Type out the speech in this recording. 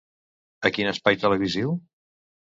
A quin espai televisiu?